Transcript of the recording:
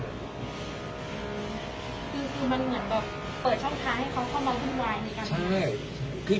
คือมันเหมือนแบบเปิดช่องค้าให้เขาเข้ามาวุ่นวาย